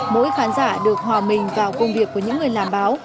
mỗi khán giả được hòa mình vào công việc của những người làm báo